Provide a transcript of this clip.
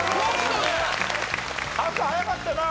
カズ早かったな。